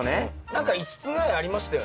何か５つぐらいありましたよね。